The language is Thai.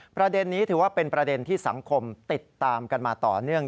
ประเด็นนี้ถือว่าเป็นประเด็นที่สังคมติดตามกันมาต่อเนื่อง